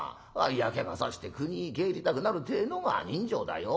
嫌気がさして国に帰りたくなるてえのが人情だよ。